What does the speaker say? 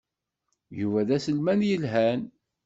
Yuba d aselmad yelhan.